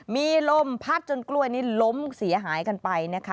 มีลมพัดจนกล้วยนี้ล้มเสียหายกันไปนะคะ